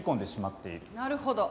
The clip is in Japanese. なるほど。